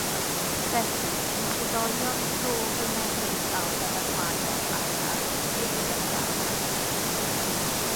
Felly trigolion bro fy mebyd a ddylanwadodd arnaf, nid yr athrawon